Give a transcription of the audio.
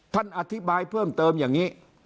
ท่านอธิบายเพิ่มเติมอย่างนี้